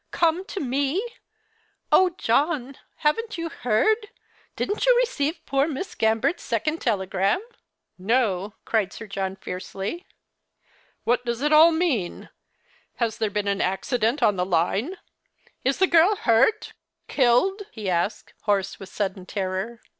Come to me ? Oh, John, haven't you heard ? Didn't you receive poor Miss Gambert's second telegram ?" "No!" cried Sir John, fiercely. "What does it all mean ? Has there been an accident on the line ? Is the girl hurt— killed? " he asked, hoarse with sudden terror.